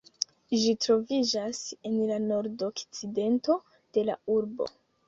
Ĝi troviĝas en la nordokcidento de la urbo.